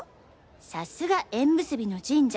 「さすが縁結びの神社